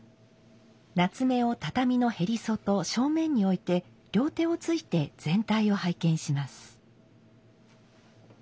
棗を畳の縁外正面に置いて両手をついて全体を拝見します。